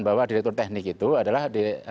bahwa direktur teknik itu adalah